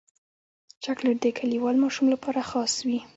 چاکلېټ د کلیوال ماشوم لپاره خاص وي.